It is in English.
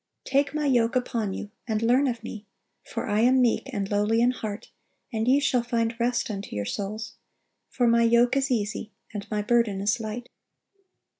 (871) "Take My yoke upon you, and learn of Me; for I am meek and lowly in heart: and ye shall find rest unto your souls. For My yoke is easy, and My burden is light."